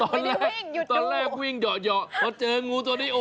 ไม่ได้วิ่งหยุดดูตอนแรกวิ่งเหยาะเพราะเจองูตัวนี้โอ้โห